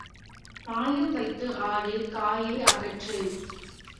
தாயம் வைத்து ஆடு, காயை அகற்று.